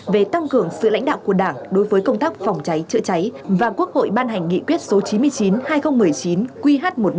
về tăng cường sự lãnh đạo của đảng đối với công tác phòng cháy chữa cháy và quốc hội ban hành nghị quyết số chín mươi chín hai nghìn một mươi chín qh một mươi năm